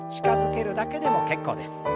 近づけるだけでも結構です。